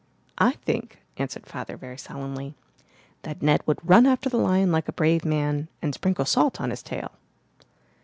"I think," answered Father very solemnly, "that Ned would run after the lion like a brave man and sprinkle salt on his tail!"